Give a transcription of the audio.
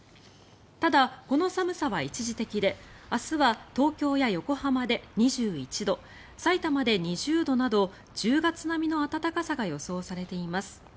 ただ、この寒さは一時的で明日は東京や横浜で２１度さいたまで２０度など１０月並みの暖かさが予想されています。